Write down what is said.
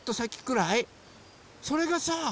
それがさ